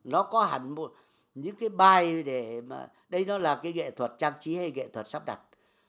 nó có hẳn những cái bài để mà đây nó là cái nghệ thuật trang trí hay nghệ thuật sắp đặt